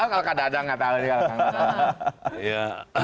kalau kadang kadang nggak tahu dia